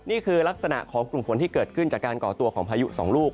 นี่คือลักษณะของกลุ่มฝนที่เกิดขึ้นจากการก่อตัวของพายุสองลูก